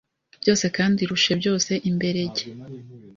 byose kendi irushe byose imberege